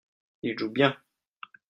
Il joue bien.